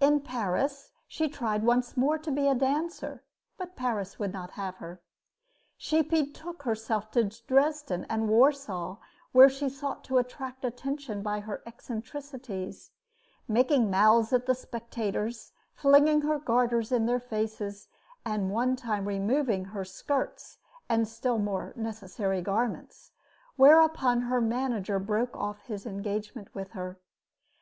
In Paris she tried once more to be a dancer, but Paris would not have her. She betook herself to Dresden and Warsaw, where she sought to attract attention by her eccentricities, making mouths at the spectators, flinging her garters in their faces, and one time removing her skirts and still more necessary garments, whereupon her manager broke off his engagement with her.